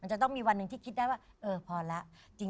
จะต้องมีวันหนึ่งที่คิดได้ว่าเออพอแล้ว